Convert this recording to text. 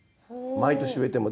毎年植えても。